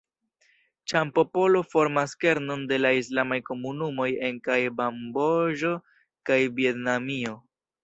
Ĉam-popolo formas kernon de la islamaj komunumoj en kaj Kamboĝo kaj Vjetnamio.